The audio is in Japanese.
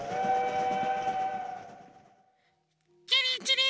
チリンチリン。